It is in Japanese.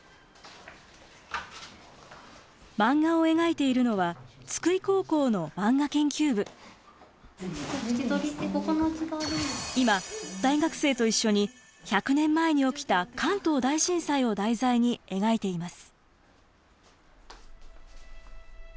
マンガを描いているのは今大学生と一緒に１００年前に起きた関東大震災を題材に描いています。